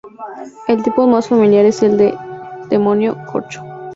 El tipo más familiar es el denominado corcho.